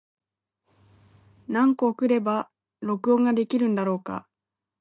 何個送れば録音ができるんだろうか。